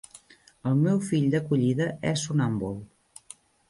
El meu fill d'acollida és somnàmbul.